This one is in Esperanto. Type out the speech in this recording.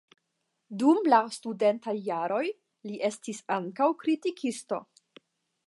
Dum la studentaj jaroj li estis ankaŭ kritikisto.